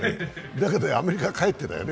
だけどアメリカに帰ってだよね？